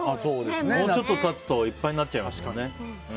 もうちょっと経つといっぱいになっちゃいますからね。